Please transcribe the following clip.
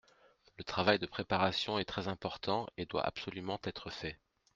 Le travail de préparation est très important et doit absolument être fait.